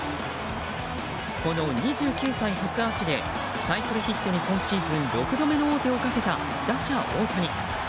この２９歳初アーチでサイクルヒットに今シーズン６度目の王手をかけた打者・大谷。